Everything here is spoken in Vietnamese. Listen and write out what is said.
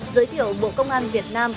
giới thiệu bộ công an việt nam